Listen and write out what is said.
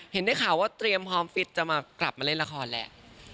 ได้ข่าวว่าเตรียมพร้อมฟิตจะมากลับมาเล่นละครแล้ว